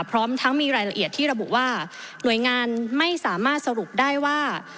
พร้อมทั้งมีรายละเอียดที่ระบุว่าหน่วยงานไม่สามารถสรุปได้ว่า